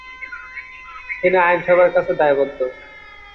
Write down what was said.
তিনি আইনসভার কাছে দায়বদ্ধ।